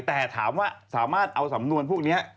แต่ถามว่าสามารถเอาสำนวนพวกนี้